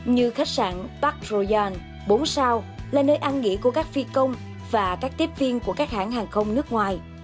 như khách sạn park royan bốn sao là nơi ăn nghỉ của các phi công và các tiếp viên của các hãng hàng không nước ngoài